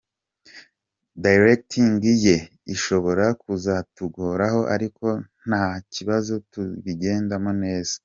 Directing ye ishobora kuzatugoraho ariko nta kibazo tuzabigendamo neza.